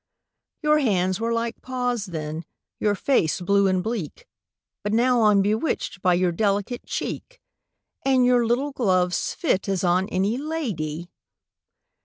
—"Your hands were like paws then, your face blue and bleak, But now I'm bewitched by your delicate cheek, And your little gloves fit as on any la dy!"